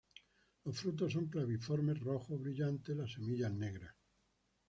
Los frutos son claviformes rojo brillantes, las semillas negras.